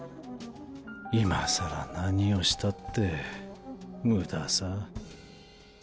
今更何をしたって無駄さ。